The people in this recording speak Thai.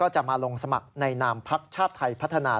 จะมาลงสมัครในนามพักชาติไทยพัฒนา